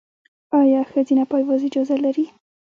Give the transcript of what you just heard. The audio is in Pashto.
ایا ښځینه پایواز اجازه لري؟